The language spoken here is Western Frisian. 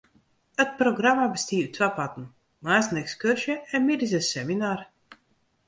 It programma bestiet út twa parten: moarns in ekskurzje en middeis in seminar.